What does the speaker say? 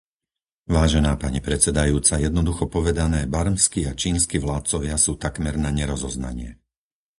Vážená pani predsedajúca, jednoducho povedané, barmskí a čínski vládcovia sú takmer na nerozoznanie.